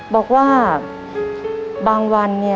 บอกว่าบางวันเนี่ย